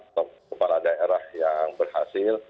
atau kepala daerah yang berhasil